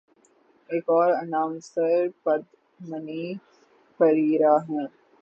ایک اور اناؤنسر پدمنی پریرا ہیں۔